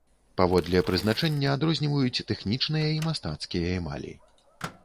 Паводле прызначэння адрозніваюць тэхнічныя і мастацкія эмалі.